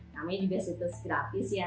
namanya juga status gratis ya